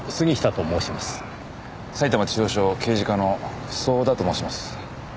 埼玉中央署刑事課の早田と申します。